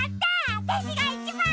わたしがいちばん！